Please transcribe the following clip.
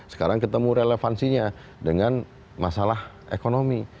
sekarang ketemu relevansinya dengan masalah ekonomi